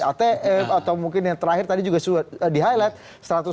atm atau mungkin yang terakhir tadi juga sudah di highlight